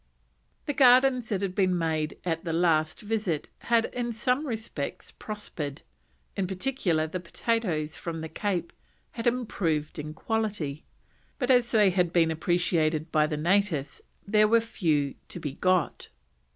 The gardens that had been made at the last visit had in some respects prospered; in particular the potatoes from the Cape had improved in quality, but as they had been appreciated by the natives, there were few to be got.